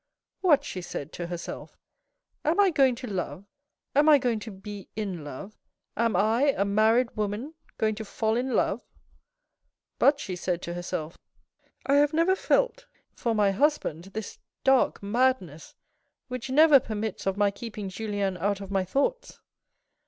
" What," she said to herself, " Am I going to love, am I going to be in love ? Am I, a married woman, going to fall in love ? But," she said to herself, " I have never felt for my AN EVENING 69 husband this dark madness, which never permits of my keeping Julien out of my thoughts.